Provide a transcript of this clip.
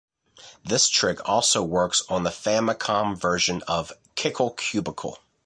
This trick also works on the Famicom version of "Kickle Cubicle".